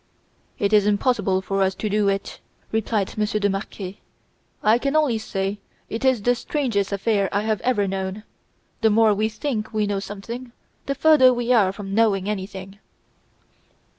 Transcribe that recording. "'It is impossible for us to do it,' replied Monsieur de Marquet. 'I can only say that it is the strangest affair I have ever known. The more we think we know something, the further we are from knowing anything!